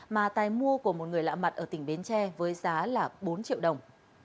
mà tài mua của một người lạ mặt ở tỉnh bến tre với giá là bốn triệu đồng